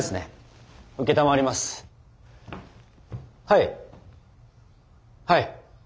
はいはい。